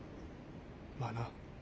まあな。